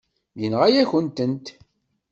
Yenɣa-yakent-tent.